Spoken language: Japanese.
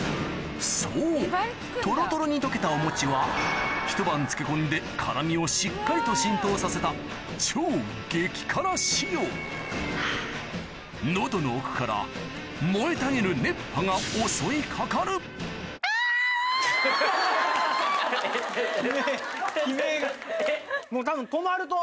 そうトロトロに溶けたおモチはひと晩漬け込んで辛みをしっかりと浸透させた超激辛仕様喉の奥から燃えたぎる熱波が襲い掛かるもうたぶん。